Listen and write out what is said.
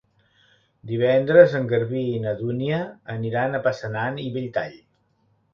Divendres en Garbí i na Dúnia aniran a Passanant i Belltall.